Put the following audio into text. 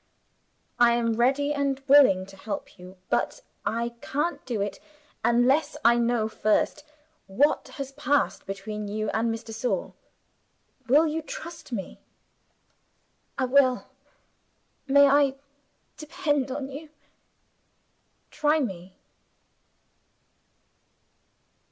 "I am ready and willing to help you but I can't do it unless I know first what has passed between you and Miss de Sor. Will you trust me?" "I will!" "May I depend on you?" "Try me!"